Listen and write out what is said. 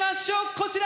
こちら！